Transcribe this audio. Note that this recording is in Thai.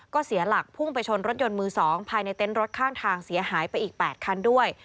ก็เสียหลักพุ่งไปชนรถยนต์มือ๒ภายในเต็นต์รถข้างทางเสียหายไปอีก๘คันด้วย